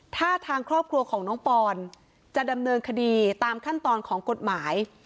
ถ้าทางครอบครัวของน้องปอนจะดำเนินคดีตามขั้นตอนของกฎหมาย